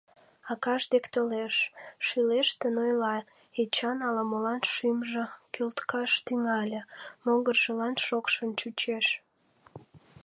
Акаж дек толеш, — шӱлештын ойла Эчан, ала-молан шӱмжӧ кӱлткаш тӱҥале, могыржылан шокшын чучеш.